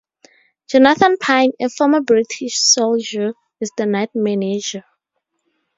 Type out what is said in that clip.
Jonathan Pine, a former British soldier, is the night manager.